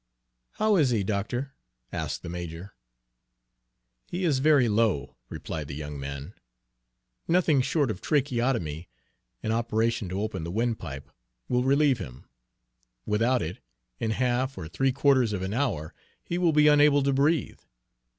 "How is he, doctor?" asked the major. "He is very low," replied the young man. "Nothing short of tracheotomy an operation to open the windpipe will relieve him. Without it, in half or three quarters of an hour he will be unable to breathe.